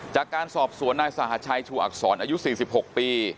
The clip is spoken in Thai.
จากการสอบสวนนายสหชัยชูอักษรอายุ๔๖ปี